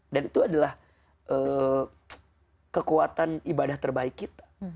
dan itu adalah kekuatan ibadah terbaik kita